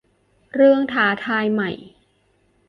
เรื่องท้าทายใหม่